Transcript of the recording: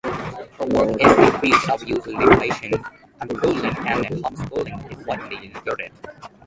Her work in the fields of youth liberation, unschooling and homeschooling is widely regarded.